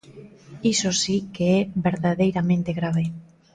Iso si que é verdadeiramente grave.